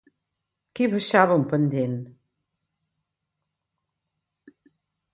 Qui baixava un pendent?